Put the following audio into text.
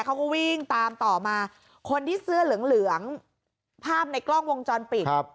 เขาก็วิ่งตามต่อมาคนที่เสื้อเหลืองเหลืองภาพในกล้องวงจรปิดครับ